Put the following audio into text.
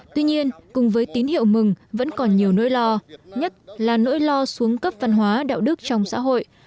tuy nhiên cùng với tín hiệu mừng vẫn còn nhiều nỗi lo nhất là nỗi lo xuống cấp văn hóa đạo đức trong xã hội